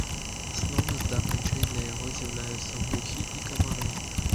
Асноўны здабычай для яго з'яўляюцца мухі і камары.